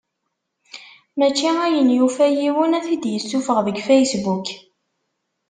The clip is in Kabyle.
Mačči ayen yufa yiwen ad t-id-yessufeɣ deg Facebook.